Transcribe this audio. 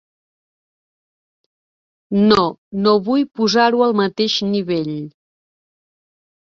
No, no vull posar-ho al mateix nivell.